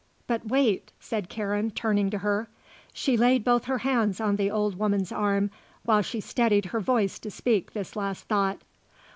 "But wait," said Karen, turning to her. She laid both her hands on the old woman's arm while she steadied her voice to speak this last thought.